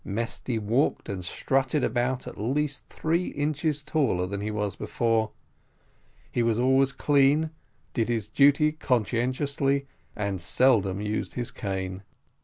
Mesty walked and strutted about, at least three inches taller than he was before. He was always clean, did his duty conscientiously, and seldom used his cane.